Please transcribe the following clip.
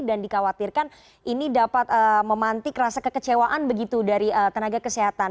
dan dikhawatirkan ini dapat memantik rasa kekecewaan begitu dari tenaga kesehatan